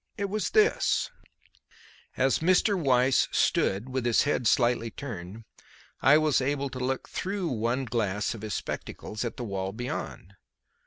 It was this: As Mr. Weiss stood, with his head slightly turned, I was able to look through one glass of his spectacles at the wall beyond.